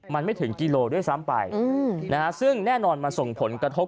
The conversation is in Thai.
มันไม่ถึงกิโลด้วยซ้ำไปซึ่งแน่นอนมันส่งผลกระทบ